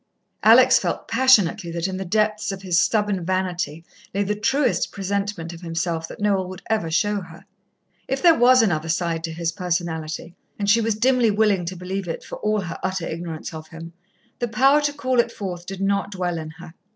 Alex felt passionately that in the depths of his stubborn vanity lay the truest presentment of himself that Noel would ever show her. If there was another side to his personality and she was dimly willing to believe it for all her utter ignorance of him the power to call it forth did not dwell in her.